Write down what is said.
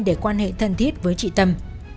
để quan hệ thân thiết với chị tâm